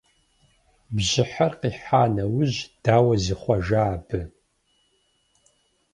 Бжьыхьэр къихьа нэужь, дауэ зихъуэжа абы?